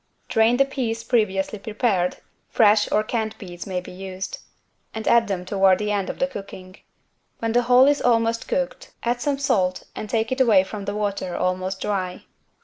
Drain the peas previously prepared (fresh or canned peas may be used) and add them toward the end of the cooking. When the whole is almost cooked, add some salt and take it away from the water almost dry.